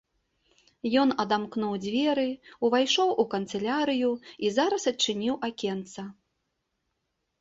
Ён адамкнуў дзверы, увайшоў у канцылярыю і зараз адчыніў акенца.